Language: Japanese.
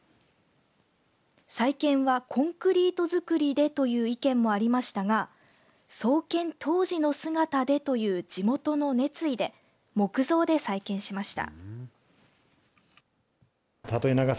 再建はコンクリート造りでという意見もありましたが創建当時の姿でという地元の熱意で木造で再建しました。